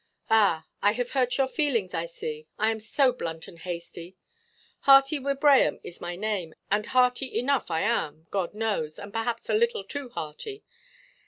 "Ah, I have hurt your feelings, I see. I am so blunt and hasty. Hearty Wibraham is my name; and hearty enough I am, God knows; and perhaps a little too hearty.